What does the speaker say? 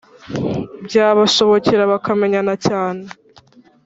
byabashobokera bakamenyana cyane